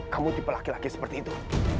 kamu tipe laki laki seperti itu